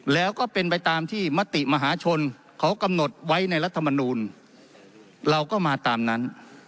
แล้วก็เป็นไปตามที่มติมหาชนเขากำหนดไว้ในรัฐมนูลเราก็มาตามนั้น